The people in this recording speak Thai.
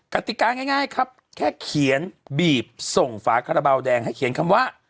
กติกาง่ายครับแค่เขียนบีบส่งฝาคาราบาลแดงให้เขียนคำว่า